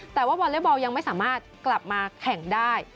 แต่ว่าวอเล็กบอลยังไม่สามารถกลับมาแข่งได้